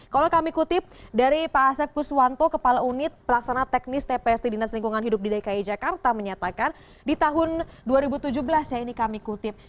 kalau kami kutip dari pak asep kuswanto kepala unit pelaksana teknis tpst dinas lingkungan hidup di dki jakarta menyatakan di tahun dua ribu tujuh belas ya ini kami kutip